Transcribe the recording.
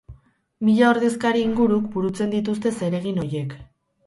Mila ordezkari inguruk burutzen dituzte zeregin horiek.